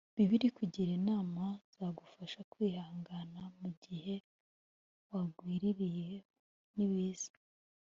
Bibiliya ikugira inama zagufasha kwihangana mu gihe wagwiririwe n’ibiza